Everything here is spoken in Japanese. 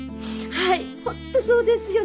はいほんとそうですよね。